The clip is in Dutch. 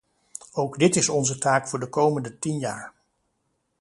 Ook dit is onze taak voor de komende tien jaar.